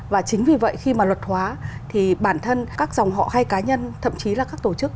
và chính vì vậy khi mà luật hóa thì bản thân các dòng họ hay cá nhân thậm chí là các tổ chức